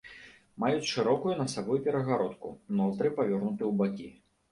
Маюць шырокую насавую перагародку, ноздры павернуты ў бакі.